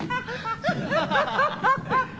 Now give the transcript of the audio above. ハハハ！